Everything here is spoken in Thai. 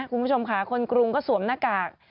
คุณผู้ชมค่ะคนกรุงก็สวมหน้ากาก